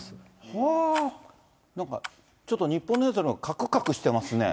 なんかちょっと、日本のやつよりかくかくしてますね。